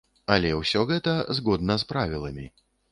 Але ўсё гэта згодна з правіламі.